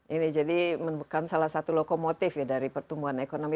ini jadi bukan salah satu lokomotif ya dari pertumbuhan ekonomi